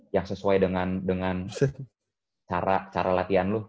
yang sesuai dengan cara latihan lo